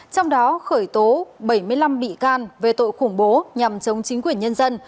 trong đó khởi tố bảy mươi năm bị can về tội khủng bố nhằm chống chính quyền nhân dân